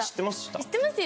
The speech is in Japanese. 知ってますよ。